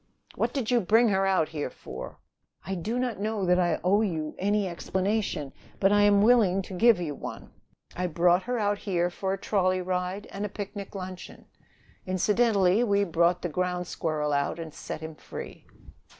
"What did you bring her out here for?" "I do not know that I owe you any explanation, but I am willing to give you one. I brought her out here for a trolley ride and a picnic luncheon. Incidentally we brought the ground squirrel out and set him free."